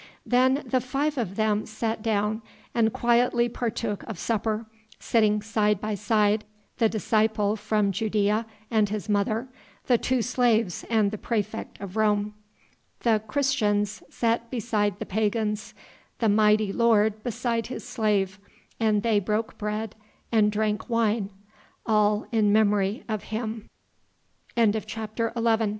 Then the five of them sat down and quietly partook of supper, sitting side by side, the disciple from Judæa and his mother, the two slaves and the praefect of Rome. The Christians sat beside the pagans, the mighty lord beside his slave, and they broke bread and drank wine, all in memory of Him. CHAPTER XII "Hell from ben